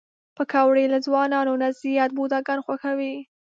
پکورې له ځوانانو نه زیات بوډاګان خوښوي